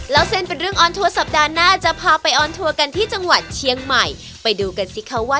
แล้วเส้นเป็นเรื่องออนทัวร์สัปดาห์หน้าจะพาไปออนทัวร์กันที่จังหวัดเชียงใหม่ไปดูกันสิคะว่า